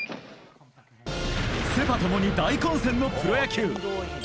セ・パ共に大混戦のプロ野球。